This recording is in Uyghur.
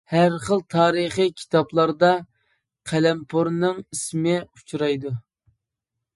ھەر خىل تارىخىي كىتابلاردا قەلەمپۇرنىڭ ئىسمى ئۇچرايدۇ.